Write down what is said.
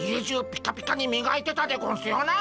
ピカピカにみがいてたゴンスよなっ。